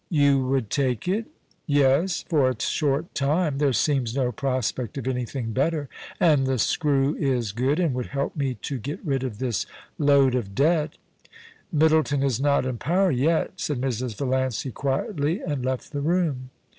* You would take it ?'* Yes ; for a short time. There seems no prospect of any thing better ; and the screw is good and would help me to get rid of this load of debt* * Middleton is not in power yet,* said Mrs. VaUancy quietly, and left the room.